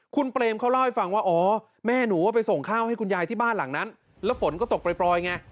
คุณเปรมเขาเล่าให้ฟังว่าอ๋อแม่หนูไปส่งข้าวให้คุณยายที่บ้านหลังนั้นแล้วฝนก็ตกปล่อยไง